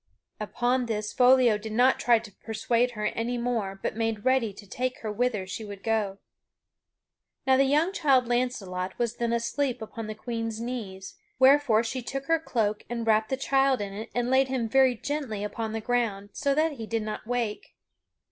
Upon this, Foliot did not try to persuade her any more but made ready to take her whither she would go. Now the young child Launcelot was then asleep upon the Queen's knees, wherefore she took her cloak and wrapped the child in it and laid him very gently upon the ground, so that he did not wake.